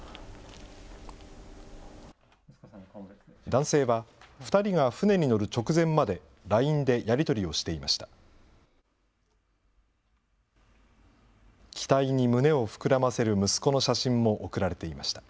男性は２人が船に乗る直前までＬＩＮＥでやり取りをしていました。